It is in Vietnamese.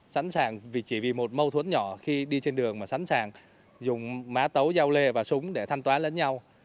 sẵn sàng vì chỉ vì một mâu thuẫn nhỏ khi đi trên đường mà sẵn sàng dùng má tấu giao lê và súng để thanh toán lẫn nhau